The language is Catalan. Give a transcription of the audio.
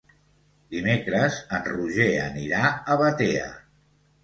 Dimecres en Roger anirà a Batea.